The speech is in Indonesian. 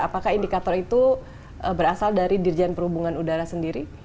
apakah indikator itu berasal dari dirjen perhubungan udara sendiri